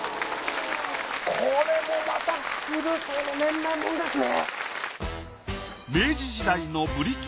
これもまた古そうな年代物ですね。